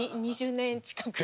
２０年近く。